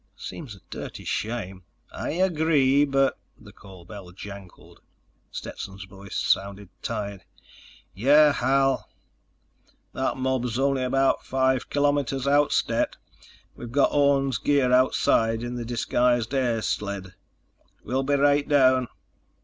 "Seems a dirty shame." "I agree, but—" The call bell jangled. Stetson's voice sounded tired: "Yeah, Hal?" "That mob's only about five kilometers out, Stet. We've got Orne's gear outside in the disguised air sled." "We'll be right down."